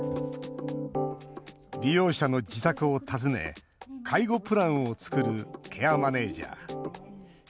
利用者の自宅を訪ね介護プランを作るケアマネージャー。